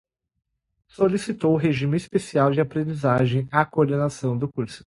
Solicitou regime especial de aprendizagem à coordenação do curso